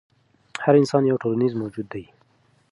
هر انسان یو ټولنیز موجود دی.